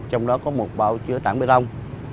trong đó có một bao chứa tảng bê tông